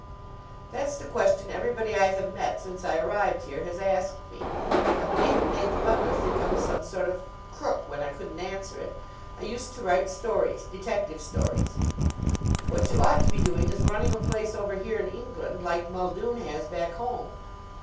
"That's the question everybody I have met since I arrived here has asked me. I believe it made the butler think I was some sort of crook when I couldn't answer it. I used to write stories detective stories." "What you ought to be doing is running a place over here in England like Muldoon has back home.